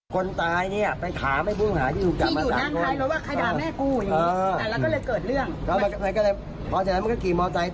การทำไงนี่ละครับ